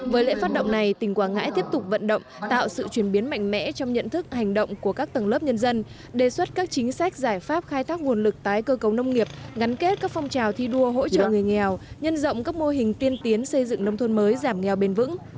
với lễ phát động này tỉnh quảng ngãi tiếp tục vận động tạo sự chuyển biến mạnh mẽ trong nhận thức hành động của các tầng lớp nhân dân đề xuất các chính sách giải pháp khai thác nguồn lực tái cơ cấu nông nghiệp gắn kết các phong trào thi đua hỗ trợ người nghèo nhân rộng các mô hình tiên tiến xây dựng nông thôn mới giảm nghèo bền vững